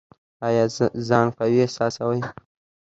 ایا ځان قوي احساسوئ؟